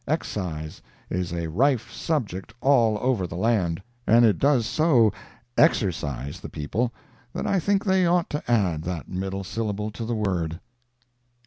Excise is a rife subject all over the land, and it does so exercise the people that I think they ought to add that middle syllable to the word.